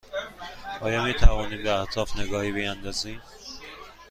آیا می توانیم به اطراف نگاهی بیاندازیم؟